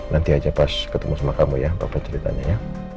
nanti aja pas ketemu sama kamu ya apa ceritanya ya